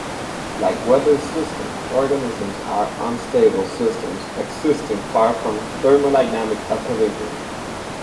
Like weather systems, organisms are unstable systems existing far from thermodynamic equilibrium.